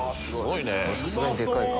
さすがにでかいか。